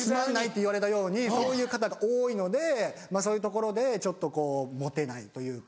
言われたようにそういう方が多いのでそういうところでちょっとモテないというか。